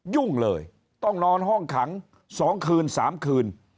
ยุ่งเลยต้องนอนห้องขัง๒คืน๓คืน